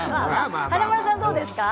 華丸さん、どうですか？